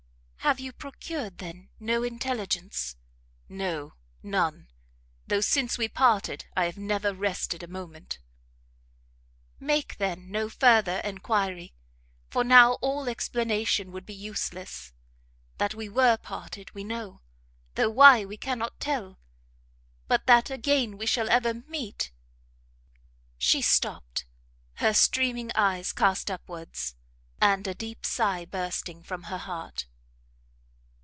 "Have you procured, then, no intelligence?" "No, none; though since we parted I have never rested a moment." "Make, then, no further enquiry, for now all explanation would be useless. That we were parted, we know, though why we cannot tell: but that again we shall ever meet " She, stopt; her streaming eyes cast upwards, and a deep sigh bursting from her heart.